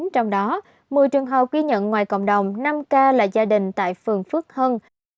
trong đó một mươi trường hợp ghi nhận ngoài cộng đồng năm ca là gia đình tại phường phước hưng